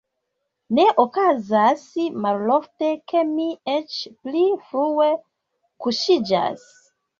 Ne okazas malofte, ke mi eĉ pli frue kuŝiĝas.